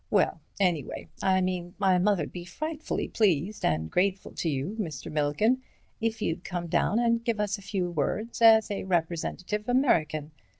Well, anyway, I mean, my mother'd be frightfully pleased and grateful to you, Mr. Milligan, if you'd come down and give us a few words as a representative American.